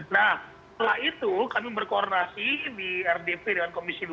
nah setelah itu kami berkoordinasi di rdp dengan komisi dua